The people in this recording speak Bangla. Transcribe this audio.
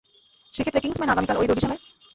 সেক্ষেত্রে, কিংসম্যানে আগামীকাল অই দর্জিশালায়?